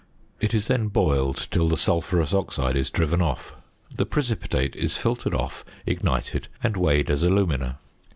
It is then boiled till the sulphurous oxide is driven off. The precipitate is filtered off, ignited, and weighed as alumina.